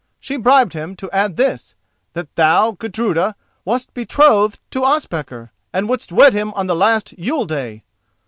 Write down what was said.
She bribed him to add this: that thou, Gudruda, wast betrothed to Ospakar, and wouldst wed him on last Yule Day.